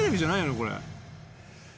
これ。